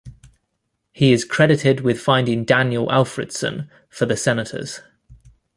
He is credited with finding Daniel Alfredsson for the Senators.